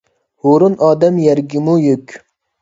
ھورۇن ئادەم يەرگىمۇ يۈك.